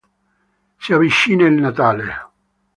Si avvicina il Natale.